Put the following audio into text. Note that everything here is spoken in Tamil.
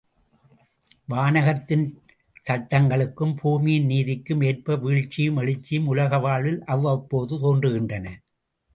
வானகத்தின் சட்டங்களுக்கும், பூமியின் நீதிக்கும் ஏற்ப வீழ்ச்சியும், எழுச்சியும் உலக வாழ்வில் அவ்வப்போது தோன்றுகின்றன.